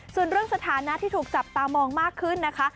ส่วนเรื่องสถานะที่ถูกจับตามองมากขึ้นนะคะ